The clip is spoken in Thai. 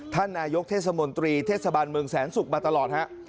ท่านนายกเทศมนตรีเทศบาลเมืองแสนศุกร์มาตลอดฮะ